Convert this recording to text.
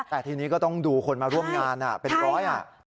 แต่ทีนี้ก็ต้องดูคนมาร่วมงานเป็นร้อยอ่ะ